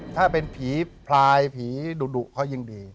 ถ้าเป็นผีพลายผีดุเขายิ่งดี